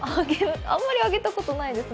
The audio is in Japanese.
あんまりあげたことないですね。